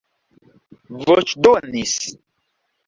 voĉdonis